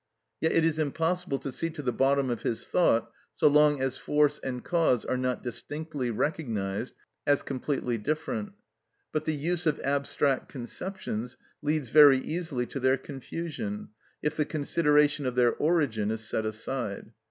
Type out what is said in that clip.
Yet it is impossible to see to the bottom of his thought so long as force and cause are not distinctly recognised as completely different. But the use of abstract conceptions leads very easily to their confusion if the consideration of their origin is set aside.